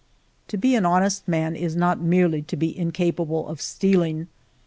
" To be an honest man is not merely to be in capable of stealing.